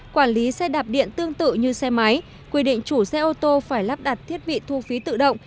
quản lý xe đạp điện tương tự như xe máy quy định chủ xe ô tô phải lắp đặt thiết bị thu phí tự động